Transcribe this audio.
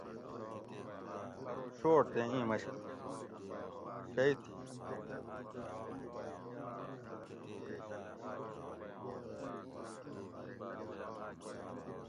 ارو شوٹ تے اِیں مشین کۤناں؟ سہ ارو اۤ شئی تھی ٹوکی تاۤس کہ کاش کاۤ اۤ پیش پِشاۤن دی باۤم دہ کوچور سی نِکاۤنت